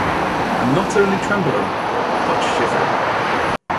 And not only trembling, but shivering.